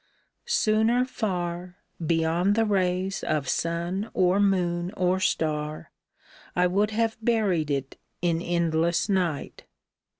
— Sooner far, Beyond the rays of sun, or moon, or star, I would have buried it in endless night